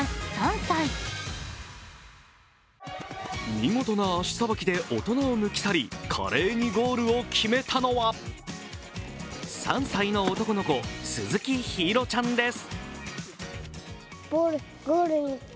見事な足さばきで大人を抜き去り華麗にゴールを決めたのは３歳の男の子、鈴木緋彩ちゃんです。